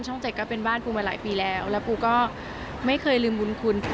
๗ก็เป็นบ้านปูมาหลายปีแล้วแล้วปูก็ไม่เคยลืมบุญคุณ